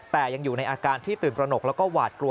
แต่ยังอยู่ในอาการที่ตื่นตระหนกแล้วก็หวาดกลัว